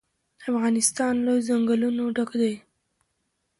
افغانستان له ځنګلونه ډک دی.